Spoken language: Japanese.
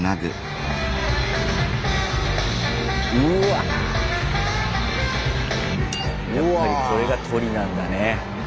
やっぱりこれがトリなんだね。